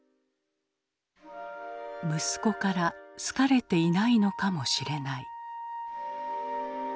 息子から好かれていないのかもしれない。